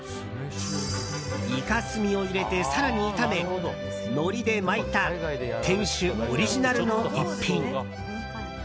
イカ墨を入れて、更に炒めのりで巻いた店主オリジナルの逸品。